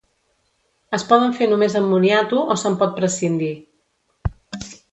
Es poden fer només amb moniato, o se’n pot prescindir.